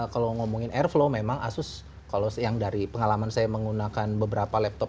kalau ngomongin airflow memang asus kalau yang dari pengalaman saya menggunakan beberapa laptop